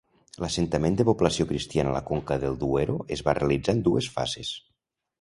L'assentament de població cristiana a la conca del Duero es va realitzar en dues fases.